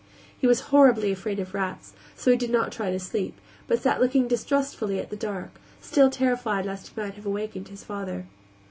He was horribly afraid of rats, so he did not try to sleep, but sat looking distrustfully at the dark, still terrified lest he might have awakened his father.